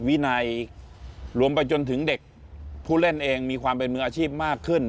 วินัยรวมไปจนถึงเด็กผู้เล่นเองมีความเป็นมืออาชีพมากขึ้น